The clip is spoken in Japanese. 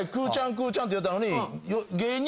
くぅちゃん！って言ってたのに。